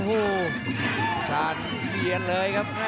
โอ้โหอุ้งชาลเปลี่ยนเลยครับ